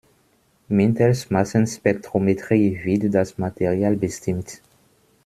Mittels Massenspektrometrie wird das Material bestimmt.